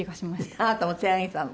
であなたも手挙げたの？